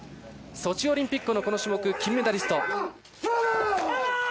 ソチオリンピックのこの種目、金メダリスト。